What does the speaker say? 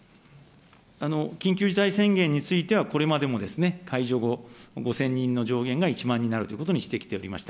緊急事態宣言についてはこれまでも解除後、５０００人の上限が１万人になるということにしてきておりました。